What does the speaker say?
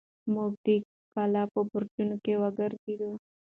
موږ د کلا په برجونو کې وګرځېدو.